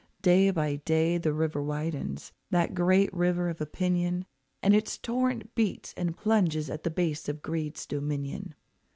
Day by day the river widens, that great river of opinion, And its torrent beats and plunges at the base of greed's dominion.